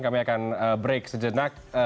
kami akan break sejenak